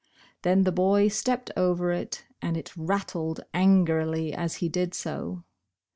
Then the boy stepped over it, and it rattled angrily as he did so.